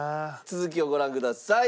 続きをご覧ください。